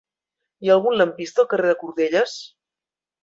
Hi ha algun lampista al carrer de Cordelles?